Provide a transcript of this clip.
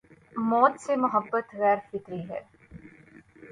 موت سے محبت غیر فطری ہے۔